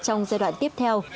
trong giai đoạn tiếp theo